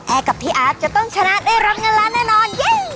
แอร์กับพี่อาร์จะต้องชนะได้รับเงินล้านแน่นอน